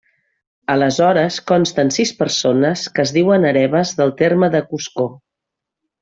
Aleshores consten sis persones que es diuen hereves del terme de Coscó.